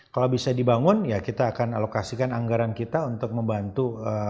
kalau bisa dibangun ya kita akan alokasikan anggaran kita untuk membantu